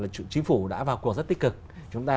chính phủ đã vào cuộc rất tích cực chúng ta